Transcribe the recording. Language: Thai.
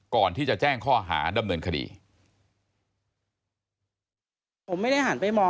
ก่อนที่จะแจ้งข้อหาดำเนินคดี